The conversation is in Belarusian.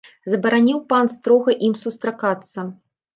Забараніў пан строга ім сустракацца.